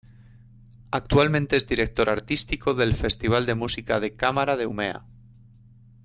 Actualmente es director artístico del Festival de Música de Cámara de Umeå.